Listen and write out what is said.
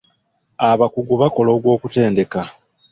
Abakugu bakola ogw'okutendeka.